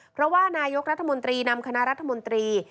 เพราะว่านายกรัฐมนตรีนำคณะรัฐมนตรี